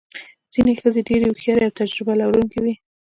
ځینې ښځې ډېرې هوښیارې او تجربه لرونکې وې.